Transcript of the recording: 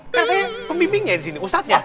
saya pemimpinnya disini ustadznya